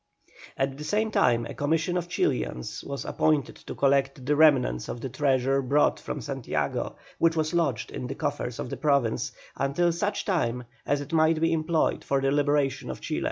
At the same time a commission of Chilians was appointed to collect the remnant of the treasure brought from Santiago, which was lodged in the coffers of the Province until such time as it might be employed for the liberation of Chile.